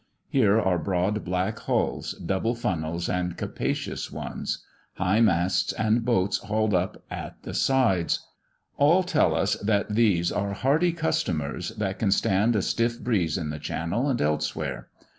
Here are broad black hulls, double funnels and capacious ones, high masts, and boats hauled up at the sides; all tell us that these are hardy customers, that can stand a stiff breeze in the Channel and elsewhere.